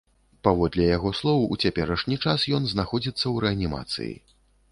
Паводле яго слоў, у цяперашні час ён знаходзіцца ў рэанімацыі.